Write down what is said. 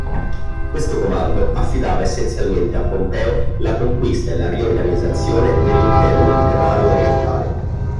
Questo comando affidava essenzialmente a Pompeo la conquista e la riorganizzazione dell'intero Mediterraneo orientale.